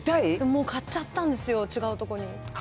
もう買っちゃったんですよ、違うとこに。